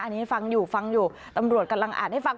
อันนี้ฟังอยู่ฟังอยู่ตำรวจกำลังอ่านให้ฟัง